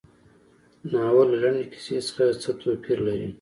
ناول له لنډې کیسې څخه څه توپیر لري.